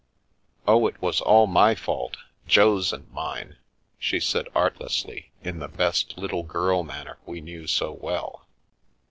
"Oh, it was all my fault — Jo's and mine/ 9 she said artlessly, in the best "little girl" manner we knew so well.